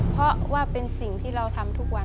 เพราะว่าเป็นสิ่งที่เราทำทุกวัน